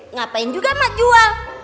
ngapain juga mak jual